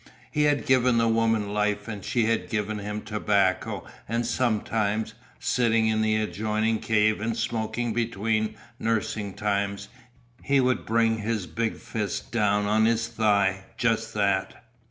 He had given the woman life and she had given him tobacco and sometimes, sitting in the adjoining cave and smoking between nursing times, he would bring his big fist down on his thigh, just that.